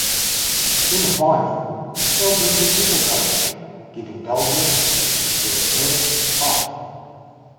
In the final, Belgium defeated Russia, giving Belgium their first title.